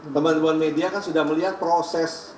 teman teman media kan sudah melihat proses